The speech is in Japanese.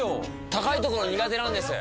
高いところ苦手なんです。